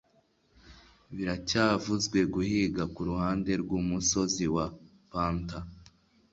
Biracyavuzwe guhiga kuruhande rwumusozi wa Panther.